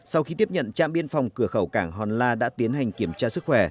sau khi tiếp nhận trạm biên phòng cửa khẩu cảng hòn la đã tiến hành kiểm tra sức khỏe